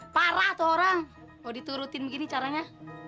parah tuh orang mau diturutin begini caranya